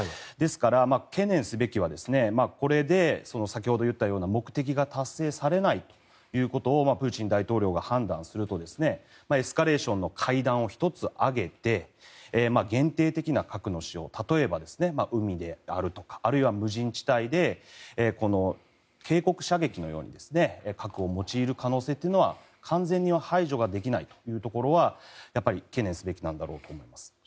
ですから、懸念すべきはこれで先ほどいったような目的が達成されないということをプーチン大統領が判断するとエスカレーションの階段を１つ上げて限定的な核の使用例えば海であるとかあるいは無人地帯で警告射撃のように核を用いる可能性というのは完全には排除できないというところは懸念すべきなんだろうと思います。